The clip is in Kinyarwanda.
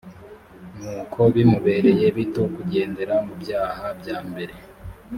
nuko bimubereye bito kugendera mu byaha byambere